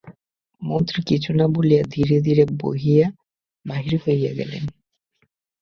মন্ত্রী কিছু না বলিয়া ধীরে ধীরে বাহির হইয়া গেলেন।